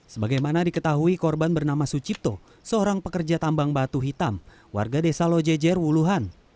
sebagaimana diketahui korban bernama sucipto seorang pekerja tambang batu hitam warga desa lojejer wuluhan